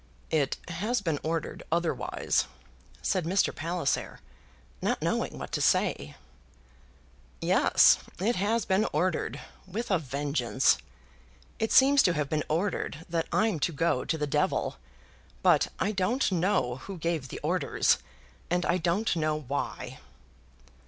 "It has been ordered otherwise," said Mr. Palliser, not knowing what to say. "Yes; it has been ordered, with a vengeance! It seems to have been ordered that I'm to go to the devil; but I don't know who gave the orders, and I don't know why."